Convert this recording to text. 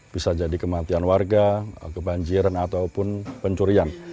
bisa jadi kematian warga kebanjiran ataupun pencurian